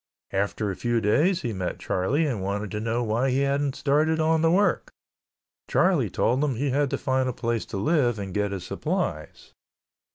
After a few days he met Charlie and wanted to know why he hadn't started on the work. Charlie told him he had to find a place to live and get his supplies.